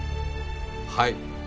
はい。